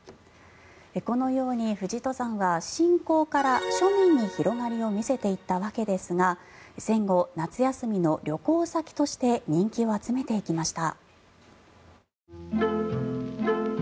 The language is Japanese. このように富士登山は信仰から庶民に広がりを見せていったわけですが戦後、夏休みの旅行先として人気を集めていきました。